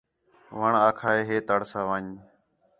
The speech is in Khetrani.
وݨ آکھا ہِے ہِے تڑ ساں وَن٘ڄ